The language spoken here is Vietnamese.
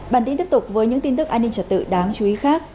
bản tin tiếp tục với những tin tức an ninh trật tự đáng chú ý khác